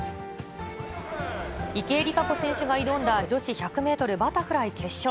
池江璃花子選手が挑んだ女子１００メートルバタフライ決勝。